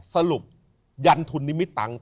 สรุปยันทุนนิมิตตังค์